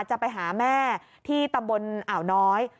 จะไปหาแม่ที่ตำบลอ่าวน้อย